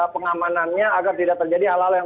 pengamanannya agar tidak terjadi hal hal yang